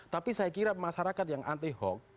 tapi saya kira masyarakat yang anti hoax